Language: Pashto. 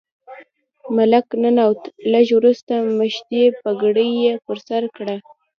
ملک ننوت، لږ وروسته مشدۍ پګړۍ یې پر سر کړه.